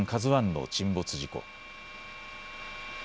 ＫＡＺＵＩの沈没事故。